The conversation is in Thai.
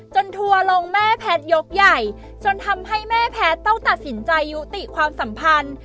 ทัวร์ลงแม่แพทย์ยกใหญ่จนทำให้แม่แพทย์ต้องตัดสินใจยุติความสัมพันธ์